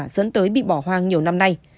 dẫn tới bị bỏ hoang nhiều năm nay